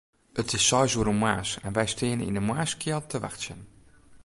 It is seis oere moarns en wy steane yn 'e moarnskjeld te wachtsjen.